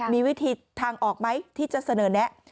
มีวิธีทางออกไหมที่จะเสนอแนะ